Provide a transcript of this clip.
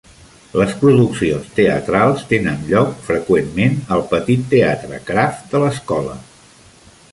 Les produccions teatrals tenen lloc freqüentment al petit Teatre Kraft de l'escola.